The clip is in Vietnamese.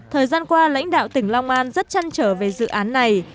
thời gian qua lãnh đạo tỉnh long an rất chăn trở về dự án này